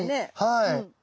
はい。